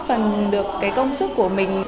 phần được cái công sức của mình